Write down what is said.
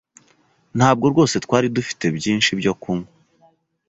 Ntabwo rwose twari dufite byinshi byo kunywa.